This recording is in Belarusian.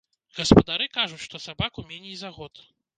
Гаспадары кажуць, што сабаку меней за год.